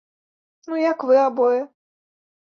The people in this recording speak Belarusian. Ну як вы абое?